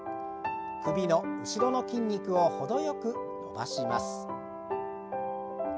首の後ろの筋肉を程よく伸ばします。